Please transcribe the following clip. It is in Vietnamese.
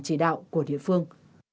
chỉ đạo của địa phương